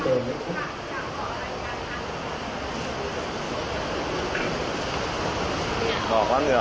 บอกอะไรให้พี่โดมบอกก่อนหรือท่านหวังครับ